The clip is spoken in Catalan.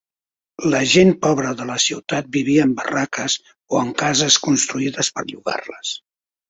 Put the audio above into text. La gent pobra de la ciutat vivia en barraques o en cases construïdes per llogar-les.